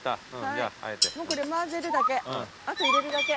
もうこれ混ぜるだけ。